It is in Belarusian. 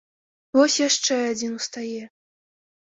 Вось яшчэ адзін устае.